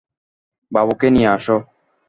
বাবুকে নিয়ে আসো।